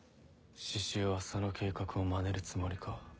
志々雄はその計画をまねるつもりか。